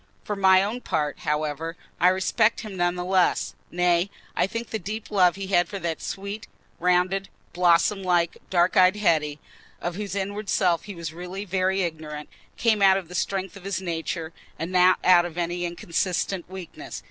For my own part, however, I respect him none the less—nay, I think the deep love he had for that sweet, rounded, blossom like, dark eyed Hetty, of whose inward self he was really very ignorant, came out of the very strength of his nature and not out of any inconsistent weakness.